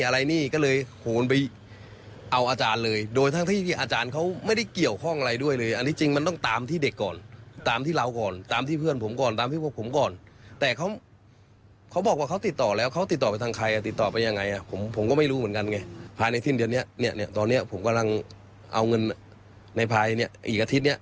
อะไรนี่ก็เลยโหนไปเอาอาจารย์เลยโดยทั้งที่อาจารย์เขาไม่ได้เกี่ยวข้องอะไรด้วยเลยอันนี้จริงมันต้องตามที่เด็กก่อนตามที่เราก่อนตามที่เพื่อนผมก่อนตามที่พวกผมก่อนแต่เขาเขาบอกว่าเขาติดต่อแล้วเขาติดต่อไปทางใครอ่ะติดต่อไปยังไงอ่ะผมผมก็ไม่รู้เหมือนกันไงภายในสิ้นเดือนเนี้ยเนี้ยตอนเนี้ยผมกำลังเอาเงินในภายเนี่ยอีกอาทิตย์เนี้ย